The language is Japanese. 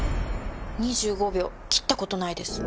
２５秒切った事ないです。